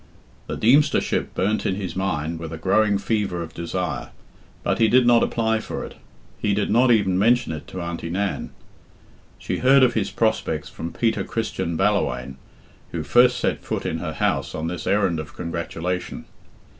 The Deemstership burnt in his mind with a growing fever of desire, but he did not apply for it. He did not even mention it to Auntie Nan. She heard of his prospects from Peter Christian Balla whaine, who first set foot in her house on this errand of congratulation.